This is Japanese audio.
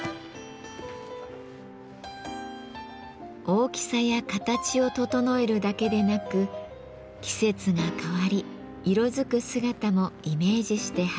大きさや形を整えるだけでなく季節が変わり色づく姿もイメージして配置していきます。